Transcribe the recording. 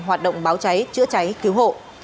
hoạt động báo cháy chữa cháy cứu hộ